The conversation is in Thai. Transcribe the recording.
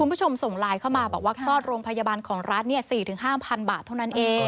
คุณผู้ชมส่งไลน์เข้ามาบอกว่าคลอดโรงพยาบาลของรัฐ๔๕๐๐บาทเท่านั้นเอง